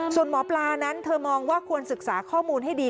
ส่วนหมอปลานั้นเธอมองว่าควรศึกษาข้อมูลให้ดี